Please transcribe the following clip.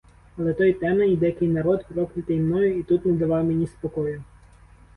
Але той темний, дикий народ, проклятий мною, і тут не давав мені спокою.